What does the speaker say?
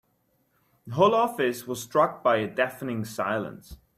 The whole office was struck by a deafening silence.